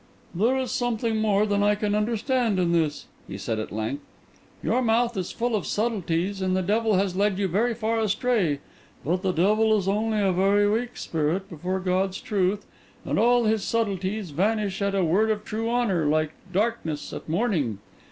"There is something more than I can understand in this," he said at length. "Your mouth is full of subtleties, and the devil has led you very far astray; but the devil is only a very weak spirit before God's truth, and all his subtleties vanish at a word of true honour, like darkness at morning.